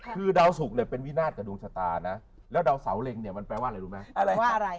คือดาวสุขเนี่ยเป็นวินาทกับดวงชะตานะแล้วดาวเสาเร็งเนี่ยมันแปลว่าอะไรรู้มั้ย